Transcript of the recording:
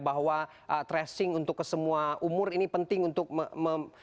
bahwa tracing untuk kesemua umur ini penting untuk